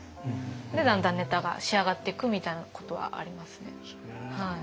だんだんネタが仕上がっていくみたいなことはありますね。